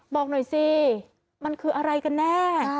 บอกหน่อยสิมันคืออะไรกันแน่